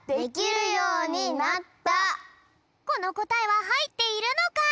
このこたえははいっているのか！？